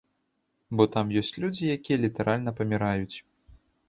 Бо там ёсць людзі, якія літаральна паміраюць!